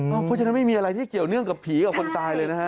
เพราะฉะนั้นไม่มีอะไรที่เกี่ยวเนื่องกับผีกับคนตายเลยนะฮะ